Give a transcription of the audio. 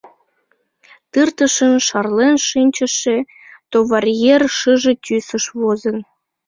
Тыртышын шарлен шинчыше Товаръер шыже тӱсыш возын.